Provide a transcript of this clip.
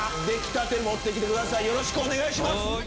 出来たて持って来てくださいよろしくお願いします。